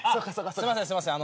すいませんすいません。